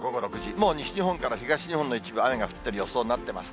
もう西日本から東日本の一部、雨が降っている予想になっています。